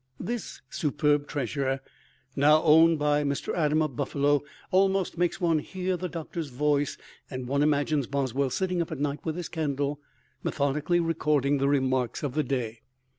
This superb treasure, now owned by Mr. Adam of Buffalo, almost makes one hear the Doctor's voice; and one imagines Boswell sitting up at night with his candle, methodically recording the remarks of the day.